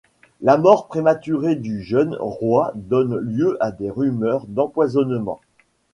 La mort prématurée du jeune roi donne lieu a des rumeurs d'empoisonnement.